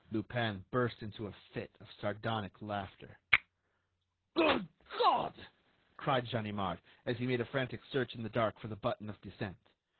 Lupin burst into a fit of sardonic laughter. "Good God!" cried Ganimard, as he made a frantic search in the dark for the button of descent.